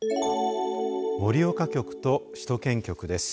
盛岡局と首都圏局です。